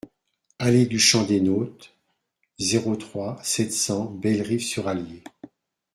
Allée du Champ des Nôtes, zéro trois, sept cents Bellerive-sur-Allier